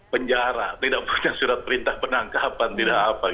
penjara tidak punya surat perintah penangkapan tidak apa